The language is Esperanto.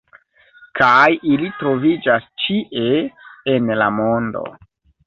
Kaj ili troviĝas ĉie en la mondo.